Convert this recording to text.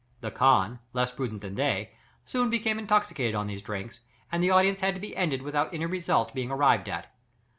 The khan, less prudent than they, soon became intoxicated on these drinks, and the audience had to be ended without any result being arrived at.